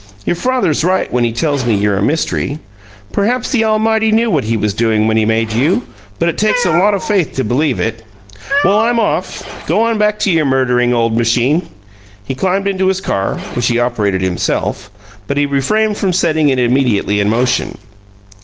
"Your father's right when he tells me you're a mystery. Perhaps the Almighty knew what He was doing when He made you, but it takes a lot of faith to believe it! Well, I'm off. Go on back to your murdering old machine." He climbed into his car, which he operated himself, but he refrained from setting it immediately in motion.